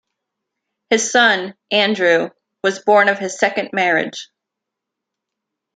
His son, Andrew, was born of his second marriage.